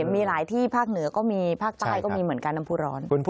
มีหลายที่ภาคเหนือก็มีภาคใต้ก็มีเหมือนกันน้ำผู้ร้อน